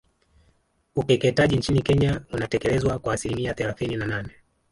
Ukeketaji nchini Kenya unatekelezwa kwa asilimia thelathini na nane